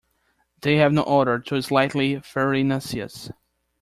They have no odor to slightly farinaceous.